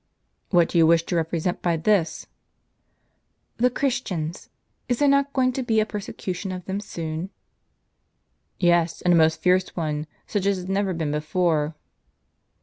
" What do you wish to represent by this ?" ^:i " The Clii'istians. Is there not going to be a persecution of them soon ?" "Yes, and a most fierce one ; such as has never been before."